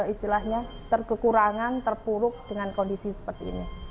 istilahnya terkekurangan terpuruk dengan kondisi seperti ini